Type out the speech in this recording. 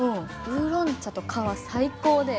ウーロン茶と皮最高で。